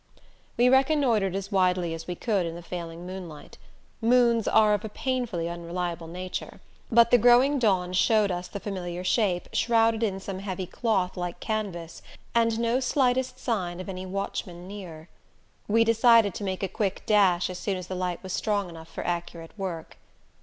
We reconnoitered as widely as we could in the failing moonlight moons are of a painfully unreliable nature; but the growing dawn showed us the familiar shape, shrouded in some heavy cloth like canvas, and no slightest sign of any watchman near. We decided to make a quick dash as soon as the light was strong enough for accurate work.